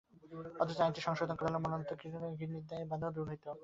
অথচ আইনটি সংশোধন করা হলে মরণোত্তর কিডনি দানের পথে বাধাও দূর হতো।